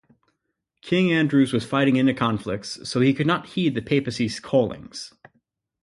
King Andrews was fighting inner conflicts, so he could not heed the Papacy's callings.